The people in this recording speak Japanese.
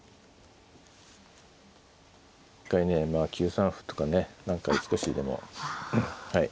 一回ね９三歩とかね何か少しでもはい。